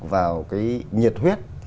vào cái nhiệt huyết